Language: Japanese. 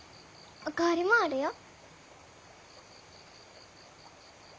お代わりもあるよ。